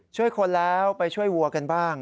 ช่วยคนแล้วไปช่วยวัวกันบ้าง